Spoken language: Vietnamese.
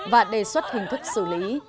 và đề xuất hình thức xử lý